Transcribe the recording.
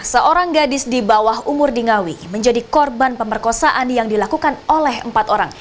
seorang gadis di bawah umur di ngawi menjadi korban pemerkosaan yang dilakukan oleh empat orang